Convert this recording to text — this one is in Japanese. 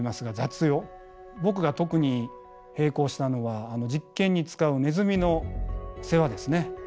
僕が特に閉口したのは実験に使うネズミの世話ですね。